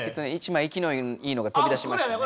１枚いきのいいのがとび出しましたね。